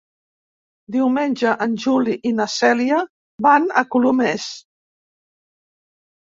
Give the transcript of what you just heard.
Diumenge en Juli i na Cèlia van a Colomers.